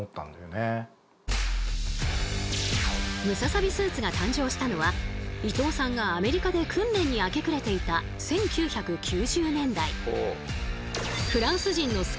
ムササビスーツが誕生したのは伊藤さんがアメリカで訓練に明け暮れていた１９９０年代。